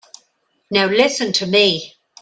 Now listen to me.